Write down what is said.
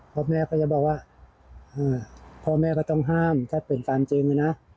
พ่อแม่ก็จะบอกว่าพ่อแม่ก็ต้องห้ามถ้าเป็นตามจริงนะ